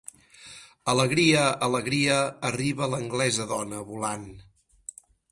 Alegria, alegria, arriba l'Anglesa-dona volant!